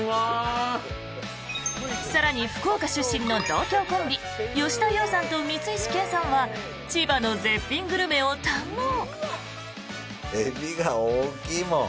更に、福岡出身の同郷コンビ吉田羊さんと光石研さんは千葉の絶品グルメを堪能！